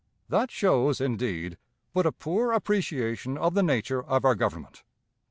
That shows, indeed, but a poor appreciation of the nature of our Government.